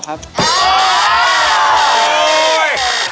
พระเจ้าตากศิลป์